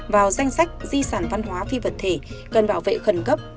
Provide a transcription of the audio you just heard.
vào danh sách di sản văn hóa phi vật thể cần bảo vệ khẩn cấp